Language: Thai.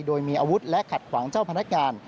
โดยมีอาวุธและขัดขวางเจ้าพนักงาน